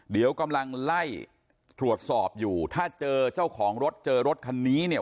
เดี๋ยวกำลังไล่ตรวจสอบอยู่ถ้าเจอเจ้าของรถเจอรถคันนี้เนี่ย